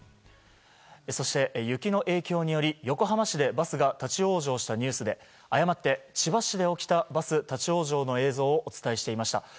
そして、雪の影響により横浜市でバスが立ち往生したニュースで誤って千葉市で起きたバス立ち往生の映像をお伝えしていました。